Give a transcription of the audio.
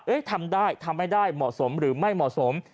ทำได้ทำไม่ได้เหมาะสมหรือไม่เหมาะสม